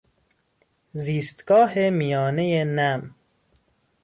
زیستگاه میانه نم